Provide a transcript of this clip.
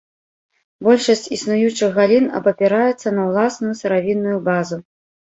Большасць існуючых галін абапіраюцца на ўласную сыравінную базу.